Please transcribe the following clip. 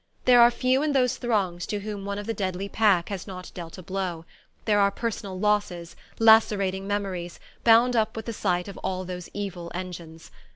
There are few in those throngs to whom one of the deadly pack has not dealt a blow; there are personal losses, lacerating memories, bound up with the sight of all those evil engines.